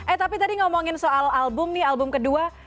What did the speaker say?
eh tapi tadi ngomongin soal album nih album kedua